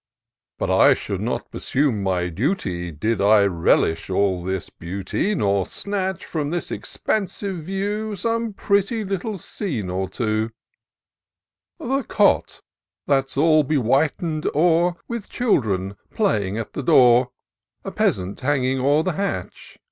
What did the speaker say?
But I should not perform my duty, Did I relinquish all this beauty ; IN SEARCH OF THE PICTURESQUE. 211 Nor snatch, from this expansive view, Some pretty little scene or two. " The cot, that's all bewhiten'd o'er, With children plajring at the door ; A peasant hanging o'er the hatch.